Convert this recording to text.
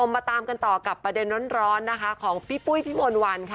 มาตามกันต่อกับประเด็นร้อนนะคะของพี่ปุ้ยพี่มนต์วันค่ะ